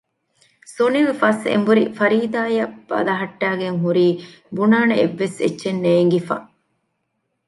ސުނިލް ފަސް އެނބުރި ފަރީދާއަށް ބަލަހައްޓައިގެން ހުރީ ބުނާނެ އެއްވެސް އެއްޗެއް ނޭންގިފަ